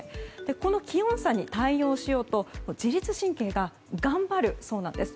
この気温差に対応しようと自律神経が頑張るそうなんです。